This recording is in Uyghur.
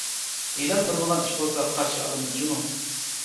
ئېلان بېرىدىغان ئىش بولسا قارشى ئالىمىز جۇمۇ.